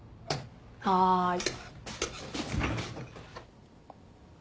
はい。